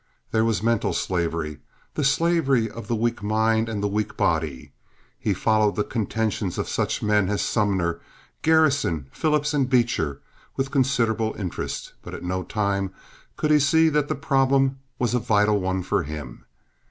There was mental slavery, the slavery of the weak mind and the weak body. He followed the contentions of such men as Sumner, Garrison, Phillips, and Beecher, with considerable interest; but at no time could he see that the problem was a vital one for him.